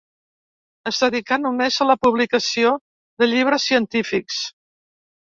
Es dedicà només a la publicació de llibres científics.